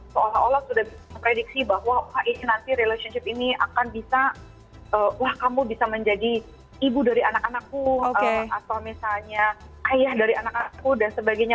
seolah olah sudah memprediksi bahwa is nanti relationship ini akan bisa wah kamu bisa menjadi ibu dari anak anakku atau misalnya ayah dari anak anakku dan sebagainya